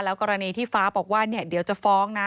แล้วกรณีที่ฟ้าบอกว่าเนี่ยเดี๋ยวจะฟ้องนะ